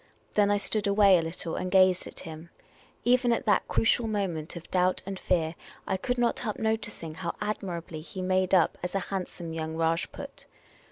Then I stood away a little and gazed at him. Even at that crucial moment of doubt and fear, I could not help noticing how admirably he made up as a handsome young Rajput.